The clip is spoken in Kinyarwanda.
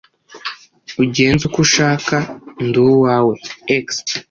ungenze uko ushaka, ndi uwawe (x